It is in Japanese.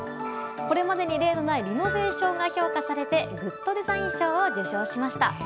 これまでに例のないリノベーションが評価されてグッドデザイン賞を受賞しました。